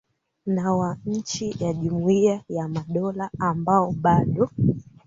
na wa nchi za jumuiya ya madola ambao bado